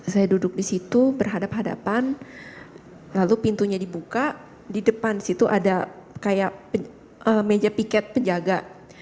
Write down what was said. saya duduk di situ berhadapan hadapan lalu pintunya dibuka di depan situ ada kayak meja piket penjaga